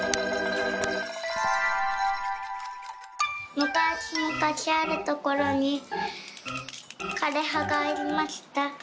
「むかしむかしあるところにかれはがありました」。